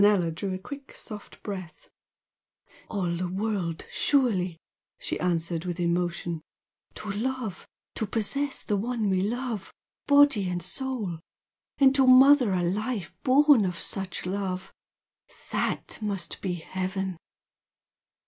Manella drew a quick soft breath. "All the world, surely!" she answered, with emotion "To love! to possess the one we love, body and soul! and to mother a life born of such love! THAT must be heaven!"